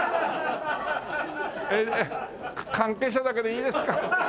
ええ関係者だけでいいですか。